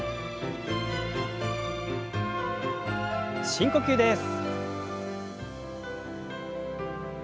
深呼吸です。